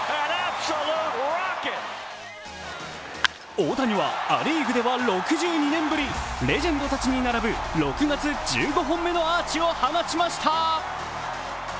大谷はア・リーグでは６２年ぶり、レジェンドたちに並ぶ６月、１５本目のアーチを放ちました。